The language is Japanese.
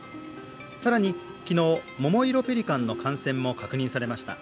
更に、昨日、モモイロペリカンの感染も確認されました。